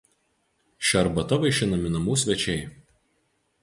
Šia arbata vaišinami namų svečiai.